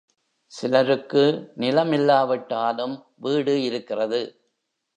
சிலருக்கு நிலம் இல்லாவிட்டாலும் வீடு இருக்கிறது.